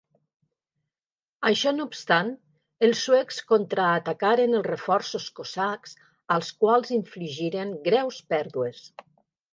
Això no obstant, els suecs contraatacaren els reforços cosacs, als quals infligiren greus pèrdues.